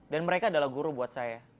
dan mereka adalah guru buat saya